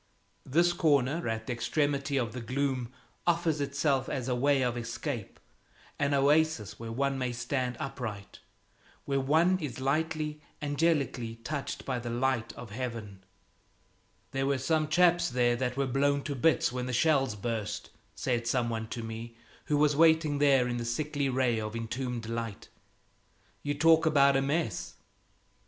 This corner at the extremity of the gloom offers itself as a way of escape, an oasis where one may stand upright, where one is lightly, angelically touched by the light of heaven. "There were some chaps there that were blown to bits when the shells burst," said some one to me who was waiting there in the sickly ray of entombed light. "You talk about a mess!